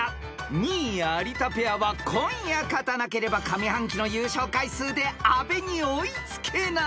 ［２位有田ペアは今夜勝たなければ上半期の優勝回数で阿部に追いつけない］